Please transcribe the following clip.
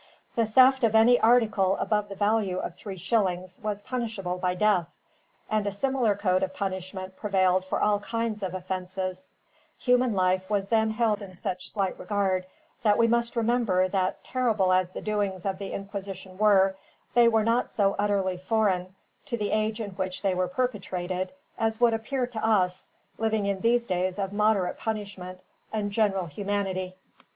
The theft of any article above the value of three shillings was punishable by death, and a similar code of punishment prevailed for all kinds of offenses Human life was then held in such slight regard that we must remember that, terrible as the doings of the Inquisition were, they were not so utterly foreign, to the age in which they were perpetrated, as would appear to us, living in these days of moderate punishment and general humanity.